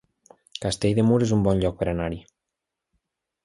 Castell de Mur es un bon lloc per anar-hi